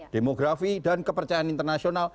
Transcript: demografi dan kepercayaan internasional